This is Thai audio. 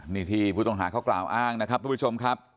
นี่ที่ผู้ต้องหาเขากล่าวอ้างนะครับทุกผู้ชมครับ